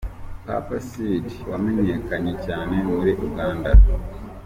Papa Cidy wamenyekanye cyane muri Uganda.